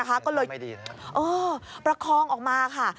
ก็เลยประคองออกมาค่ะ